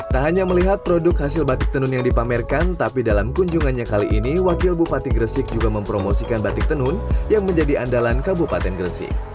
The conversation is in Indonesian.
tak hanya melihat produk hasil batik tenun yang dipamerkan tapi dalam kunjungannya kali ini wakil bupati gresik juga mempromosikan batik tenun yang menjadi andalan kabupaten gresik